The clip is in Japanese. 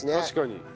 確かに。